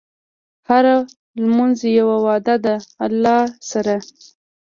هره لمونځ یوه وعده ده د الله سره.